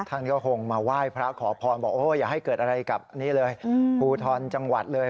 ท่านก็คงมาว่ายพระขอพรบอกอย่าให้เกิดอะไรกับภูทอลจังหวัดเลย